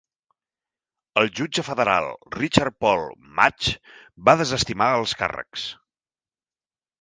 El jutge federal Richard Paul Matsch va desestimar els càrrecs.